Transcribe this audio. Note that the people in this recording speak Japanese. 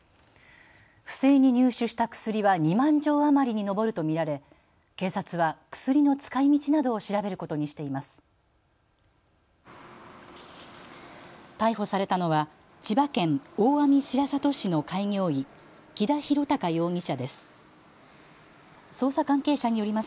不正に入手した薬は２万錠余りに上ると見られ、警察は薬の使いみちなどを調べることにしています。